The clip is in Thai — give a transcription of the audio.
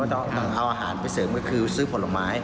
ต้องเอาอาหารไปเสริมก็คือซื้อผลไม้